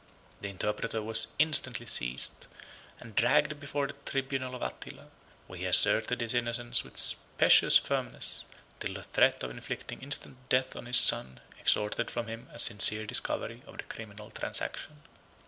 The interpreter was instantly seized, and dragged before the tribunal of Attila, where he asserted his innocence with specious firmness, till the threat of inflicting instant death on his son extorted from him a sincere discovery of the criminal transaction.